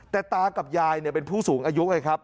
แต่ตากับยายเป็นผู้สูงอายุไงครับ